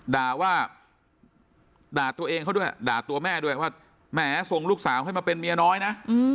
ด่าว่าด่าตัวเองเขาด้วยด่าตัวแม่ด้วยว่าแหมส่งลูกสาวให้มาเป็นเมียน้อยนะ